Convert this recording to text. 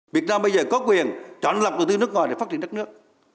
việt nam bây giờ có quyền chọn lập đầu tư nước ngoài để phát triển đất nước